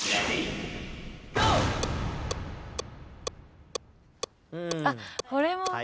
あっこれも。